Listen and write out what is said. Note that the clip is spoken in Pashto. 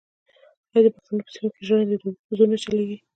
آیا د پښتنو په سیمو کې ژرندې د اوبو په زور نه چلېږي؟